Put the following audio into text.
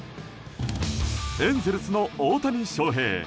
エンゼルスの大谷翔平。